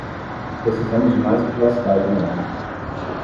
Precisamos de mais privacidade online.